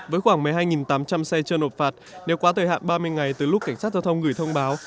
với khoảng một mươi hai tám trăm linh xe chưa nộp phạt nếu quá thời hạn ba mươi ngày từ lúc cảnh sát giao thông gửi thông báo